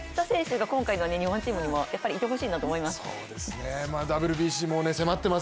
こういった選手が今回の日本チームにもいてほしいなと思います。